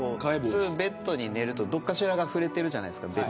普通ベッドに寝るとどっかしらが触れてるじゃないですか